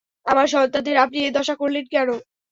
আমার সন্তানদের আপনি এ দশা করলেন কেন?